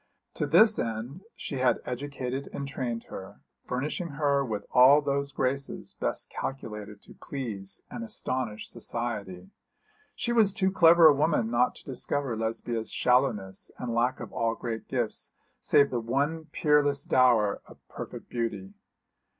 To this end she had educated and trained her, furnishing her with all those graces best calculated to please and astonish society. She was too clever a woman not to discover Lesbia's shallowness and lack of all great gifts, save that one peerless dower of perfect beauty.